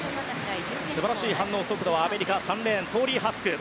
素晴らしい反応はアメリカ３レーン、トーリー・ハスク。